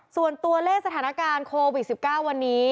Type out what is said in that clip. ส่วนตัวเลขสถานการณ์โควิด๑๙วันนี้